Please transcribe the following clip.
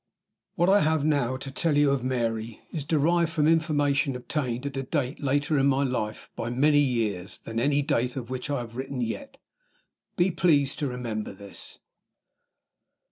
WHAT I have now to tell you of Mary is derived from information obtained at a date in my life later by many years than any date of which I have written yet. Be pleased to remember this.